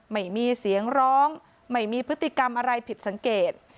ไม่มีเสียงร้องไม่มีพฤติกรรมอะไรผิดสังเกต